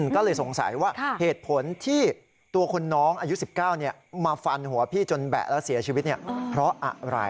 ก็เลยสงสัยว่าเหตุผลที่ตัวคนน้องอายุ๑๙มาฟันหัวพี่จนแบะแล้วเสียชีวิตเพราะอะไร